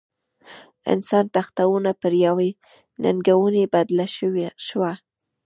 انسان تښتونه پر یوې ننګونې بدله شوه.